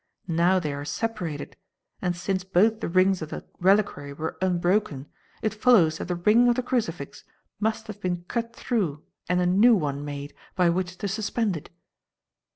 Now they are separated, and since both the rings of the reliquary were unbroken, it follows that the ring of the crucifix must have been cut through and a new one made, by which to suspend it."